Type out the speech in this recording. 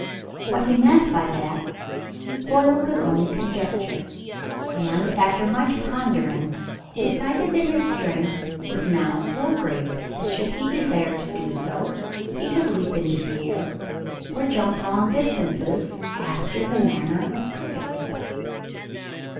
What he meant by that Hoyle could only conjecture, and, after much pondering, decided that his strength was now so great that should he desire to do so, he could leap into the air or jump long distances after the manner of crickets.